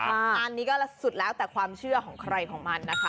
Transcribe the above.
อันนี้ก็สุดแล้วแต่ความเชื่อของใครของมันนะคะ